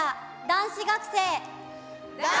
「男子学生」。